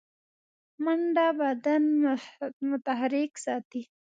منډه بدن متحرک ساتي